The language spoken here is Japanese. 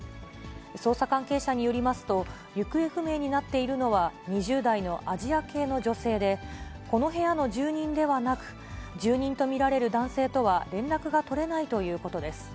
捜査関係者によりますと、行方不明になっているのは、２０代のアジア系の女性で、この部屋の住人ではなく、住人と見られる男性とは連絡が取れないということです。